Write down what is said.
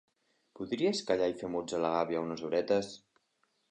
Podries callar i fer muts a la gàbia unes horetes?